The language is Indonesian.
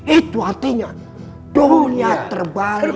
itu artinya dunia terbalik